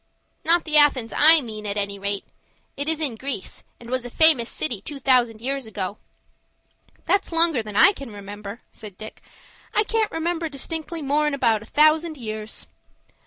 "Not the Athens I mean, at any rate. It is in Greece, and was a famous city two thousand years ago." "That's longer than I can remember," said Dick. "I can't remember distinctly more'n about a thousand years."